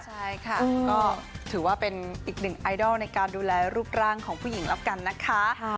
ใช่ค่ะก็ถือว่าเป็นอีกหนึ่งไอดอลในการดูแลรูปร่างของผู้หญิงแล้วกันนะคะ